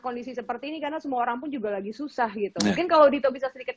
kondisi seperti ini karena semua orang pun juga lagi susah gitu mungkin kalau dito bisa sedikit